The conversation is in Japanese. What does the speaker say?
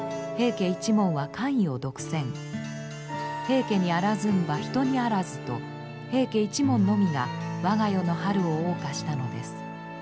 「平家にあらずんば人にあらず」と平家一門のみが我が世の春をおう歌したのです。